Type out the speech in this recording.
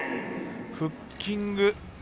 フッキング。